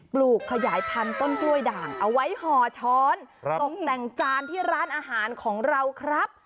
ลูกขยายพันธุ์ต้นกล้วยด่างเอาไว้ห่อช้อนตกแต่งจานที่ร้านอาหารของเราครับ